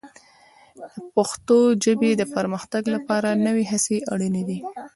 د پښتو ژبې د پرمختګ لپاره نوې هڅې اړینې دي.